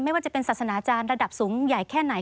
ไม่ว่าจะเป็นศาสนาจารย์ระดับสูงใหญ่แค่ไหน